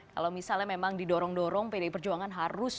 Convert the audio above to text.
kalau misalnya memang didorong dorong pdi perjuangan harus